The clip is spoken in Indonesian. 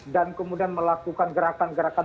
dan kemudian melakukan gerakan gerakan